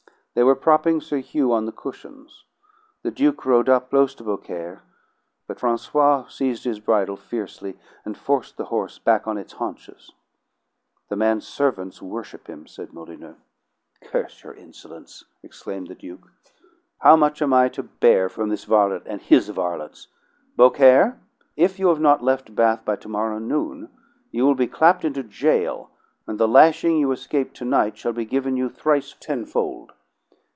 They were propping Sir Hugh on the cushions. The Duke rode up close to Beaucaire, but Francois seized his bridle fiercely, and forced the horse back on its haunches. "The man's servants worship him," said Molyneux. "Curse your insolence!" exclaimed the Duke. "How much am I to bear from this varlet and his varlets? Beaucaire, if you have not left Bath by to morrow noon, you will be clapped into jail, and the lashing you escaped to night shall be given you thrice tenfold!"